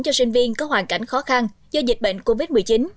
cho sinh viên có hoàn cảnh khó khăn do dịch bệnh covid một mươi chín